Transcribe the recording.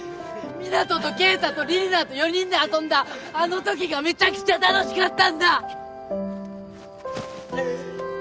湊人と慶太と李里奈と４人で遊んだあの時がめちゃくちゃ楽しかったんだ！